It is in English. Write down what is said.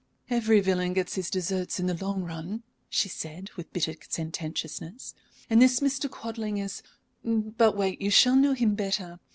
"Every villain gets his deserts in the long run," she said, with bitter sententiousness. "And this Mr. Quadling is But wait, you shall know him better.